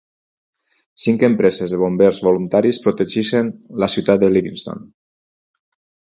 Cinc empreses de bombers voluntaris protegeixen la ciutat de Lewiston.